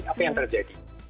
apa yang terjadi